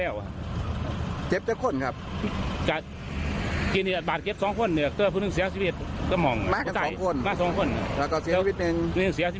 แล้วก็มาแล้วเจ็บเจ็บคนครับ